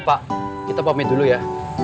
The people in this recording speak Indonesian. pak kita pamit dulu ya